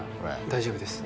大丈夫です。